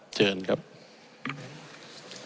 รัฐบาลเถือนมันเป็นการเสียสีที่ไม่เหมาะสมอยากให้ถอนครับ